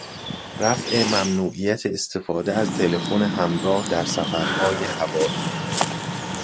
رفع ممنوعیت استفاده از تلفن همراه در سفرهای هوایی